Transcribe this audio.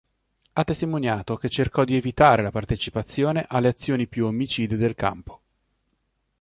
Ha testimoniato che cercò di evitare la partecipazione alle azioni più omicide del campo.